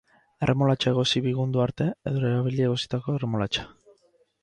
Erremolatxa egosi bigundu arte, edo erabili egositako erremolatxa.